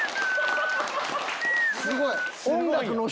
すごい！